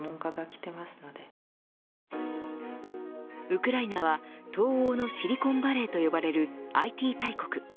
ウクライナは東欧のシリコンバレーと呼ばれるＩＴ大国。